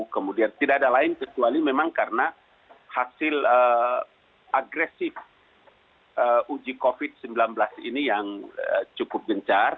kemudian tidak ada lain kecuali memang karena hasil agresif uji covid sembilan belas ini yang cukup gencar